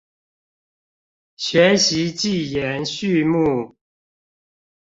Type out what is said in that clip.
學習記言序目